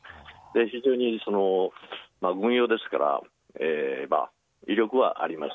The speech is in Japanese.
非常に軍用ですから威力はあります。